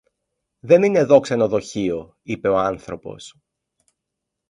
Δεν είναι δω ξενοδοχείο, είπε ο άνθρωπος.